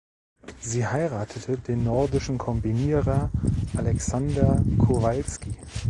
Sie heiratete den Nordischen Kombinierer Aleksander Kowalski.